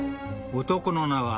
［男の名は］